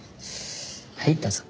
はいどうぞ。